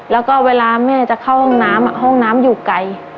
แล้วก็เวลาแม่จะเข้าห้องน้ำห้องน้ำอยู่ไกล